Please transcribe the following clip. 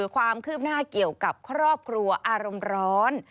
ความคืบหน้าเกี่ยวกับครอบครัวอารมณ์ร้อน